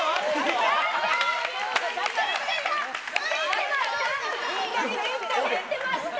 競ってました。